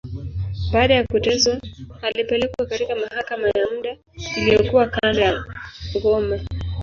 Baada ya kuteswa, alipelekwa katika mahakama ya muda, iliyokuwa kando ya ngome.